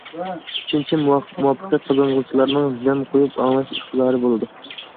ئۈچىنچى، مۇۋەپپەقىيەت قازانغۇچىلارنىڭ زەن قويۇپ ئاڭلاش ئىقتىدارى بولىدۇ.